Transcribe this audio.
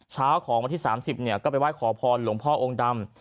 เช้าของวันที่๓๐ก็ไปไหว้ขอพรหลวงพ่อองค์ดำ